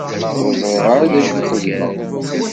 Ur ẓriɣ ara d acu i xedmeɣ.